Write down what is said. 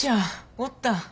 おったん？